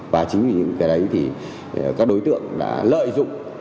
và chính vì những cái đấy thì các đối tượng đã lợi dụng